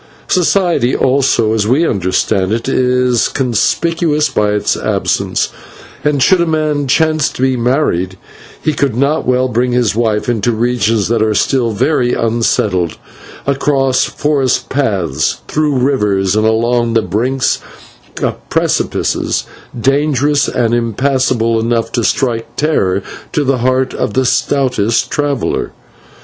Society also, as we understand it, is conspicuous by its absence, and should a man chance even to be married, he could not well bring his wife into regions that are still very unsettled, across forest paths, through rivers, and along the brinks of precipices, dangerous and impassable enough to strike terror to the heart of the stoutest traveller.